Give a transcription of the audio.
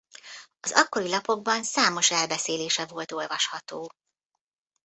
Az akkori lapokban számos elbeszélése volt olvasható.